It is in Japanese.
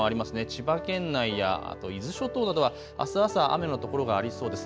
千葉県内や伊豆諸島などはあす朝雨の所がありそうです。